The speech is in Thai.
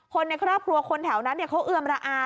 คนในครอบครัวคนแถวนั้นเขาเอือมระอา